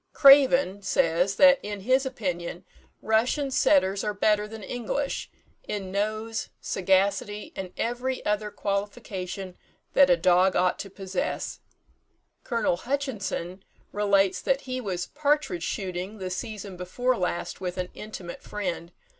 "Craven" says, that in his opinion Russian setters are better than English, in nose, sagacity, and every other qualification that a dog ought to possess. Col. Hutchinson relates that he was "partridge shooting the season before last with an intimate friend.